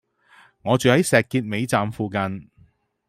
我住喺石硤尾站附近